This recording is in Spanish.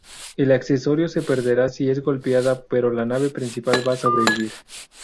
El accesorio se perderá si es golpeada pero la nave principal va a sobrevivir.